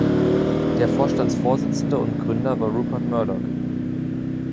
Der Vorstandsvorsitzende und Gründer war Rupert Murdoch.